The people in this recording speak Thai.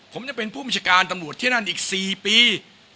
ผมจะเป็นผู้บัญชาการตำรวจที่นั่นอีก๔ปี